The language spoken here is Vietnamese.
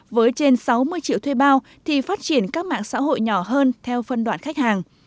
với trên sáu mươi triệu thuê bao thì phát triển các mạng xã hội nhỏ hơn theo phân đoạn khách hàng